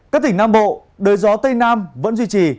các tỉnh nam bộ đời gió tây nam vẫn duy trì